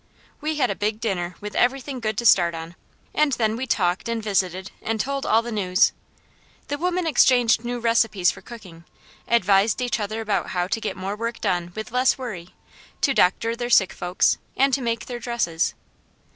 We had a big dinner with everything good to start on, and then we talked and visited and told all the news. The women exchanged new recipes for cooking, advised each other about how to get more work done with less worry, to doctor their sick folks, and to make their dresses.